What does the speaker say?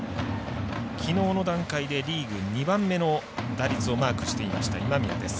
きのうの段階でリーグ２番目の打率をマークしていた今宮です。